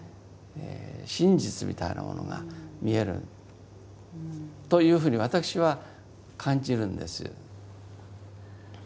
真実みたいなものが見えるというふうに私は感じるんです。